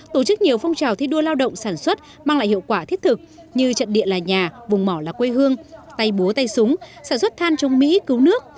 tổ chức nhiều phong trào thi đua lao động sản xuất mang lại hiệu quả thiết thực như trận địa là nhà vùng mỏ là quê hương tay búa tay súng sản xuất than trong mỹ cứu nước